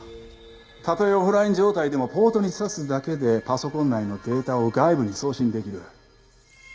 たとえオフライン状態でもポートに挿すだけでパソコン内のデータを外部に送信できる。